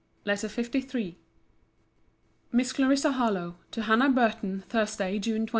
LETTER LIII MISS CLARISSA HARLOWE, TO HANNAH BURTON THURSDAY, JUNE 29.